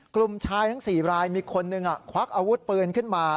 กลุ่มชายทั้ง๔รายมีคนหนึ่งควักอาวุธปืนขึ้นมา